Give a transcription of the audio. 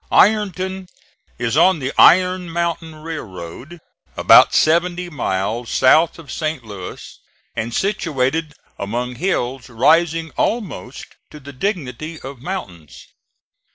Ironton is on the Iron Mountain railroad, about seventy miles south of St. Louis, and situated among hills rising almost to the dignity of mountains.